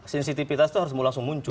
sinsitifitas itu harus langsung muncul